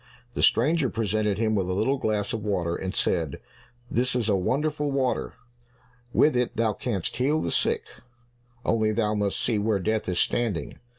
The stranger presented him with a little glass of water, and said, "This is a wonderful water, with it thou canst heal the sick, only thou must see where Death is standing.